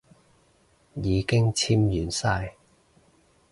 已經簽完晒